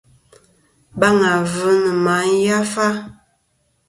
Baŋ avɨ nɨ ma yafa.